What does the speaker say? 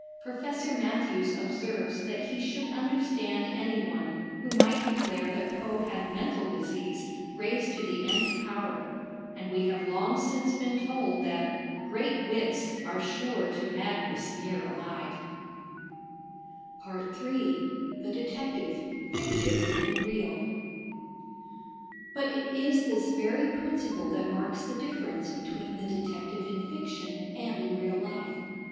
Professor Matthews observes that he should understand any one who might declare that Poe had mental disease raised to the n power, and we have long since been told that ''great wits are sure to madness near allied." J. The Detective — Fictive and Real But it is this very principle that marks the difference between the detective in fiction and in real life.